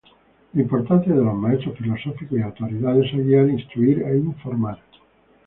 La importancia de los maestros filosóficos y Autoridades a guiar, instruir e informar.